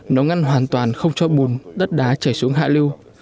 nó ngăn hoàn toàn không cho bùn đất đá chảy xuống hạ lưu